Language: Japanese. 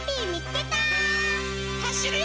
はしるよ！